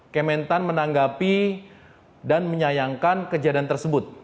kementerian pertanian menanggapi dan menyayangkan kejadian tersebut